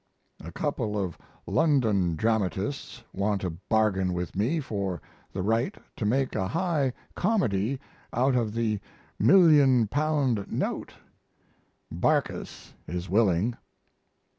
A couple of London dramatists want to bargain with me for the right to make a high comedy out of the "Million Pound Note." Barkis is willing.